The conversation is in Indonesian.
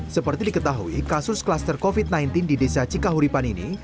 seperti diketahui kasus klaster covid sembilan belas di desa cikahuripan ini